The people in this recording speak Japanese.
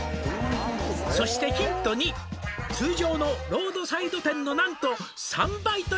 「そしてヒント２」「通常のロードサイド店の何と３倍という」